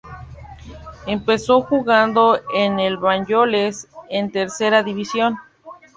Empezó jugando en el Banyoles, en Tercera División.